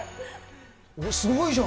すごいじゃん。